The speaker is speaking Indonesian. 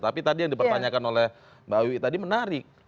tapi tadi yang dipertanyakan oleh mbak wiwi tadi menarik